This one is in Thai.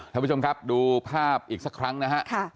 ท่านผู้ชมครับดูภาพอีกสักครั้งนะฮะ